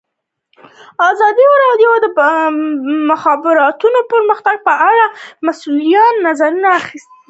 ازادي راډیو د د مخابراتو پرمختګ په اړه د مسؤلینو نظرونه اخیستي.